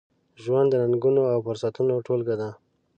ژوند د ننګونو، او فرصتونو ټولګه ده.